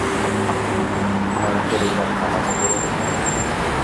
Ymaitereirasámako ndorojoechavéi.